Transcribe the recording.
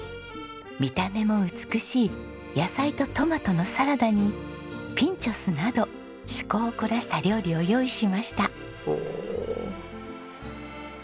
見た目も美しい野菜とトマトのサラダにピンチョスなど趣向を凝らした料理を用意しました。